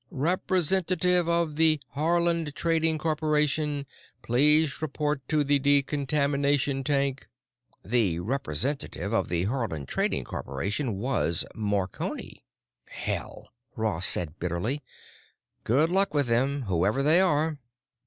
"Representative of the Haarland Trading Corporation please report to the decontamination tank." The representative of the Haarland Trading Corporation was Marconi. "Hell," Ross said bitterly. "Good luck with them, whoever they are."